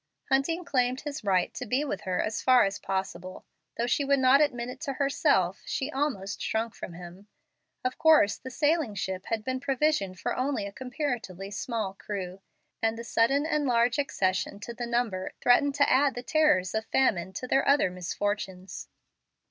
Hunting claimed his right to be with her as far as it was possible. Though she would not admit it to herself, she almost shrunk from him. Of course the sailing ship had been provisioned for only a comparatively small crew, and the sudden and large accession to the number threatened to add the terrors of famine to their other misfortunes.